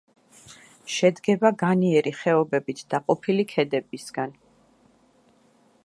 შედგება განიერი ხეობებით დაყოფილი ქედებისაგან.